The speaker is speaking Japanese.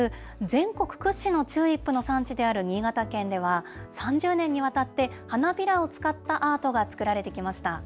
全国屈指のチューリップの産地である新潟県では、３０年にわたって花びらを使ったアートが作られてきました。